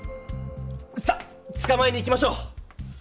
さっつかまえに行きましょう！